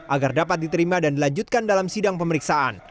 agar dapat diterima dan dilanjutkan dalam sidang pemeriksaan